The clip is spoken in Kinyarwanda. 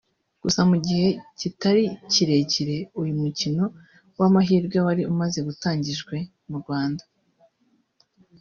Gusa mu gihe kitari kirekire uyu mukino w’amahirwe wari umaze utangijwe mu Rwanda